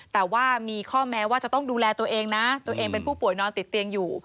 แต่ว่ามีข้อแม้ว่าจะต้องดูแลตัวเองนะตัวเองเป็นผู้ป่วยนอนติดเตียงอยู่